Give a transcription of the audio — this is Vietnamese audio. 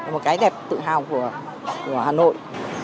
một cái đẹp tự hào của hà nội